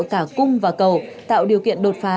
cả cung và cầu tạo điều kiện đột phá